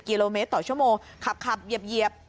กิโลเมตรต่อชั่วโมงขับเหยียบ